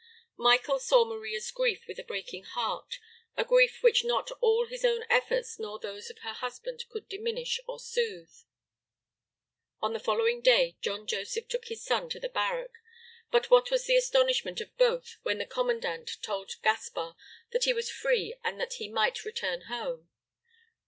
Michael saw Maria's grief with a breaking heart, a grief which not all his own efforts nor those of her husband could diminish or soothe. On the following day John Joseph took his son to the barrack, but what was the astonishment of both when the commandant told Gaspar that he was free and that he might return home.